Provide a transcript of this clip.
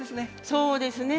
そうですね。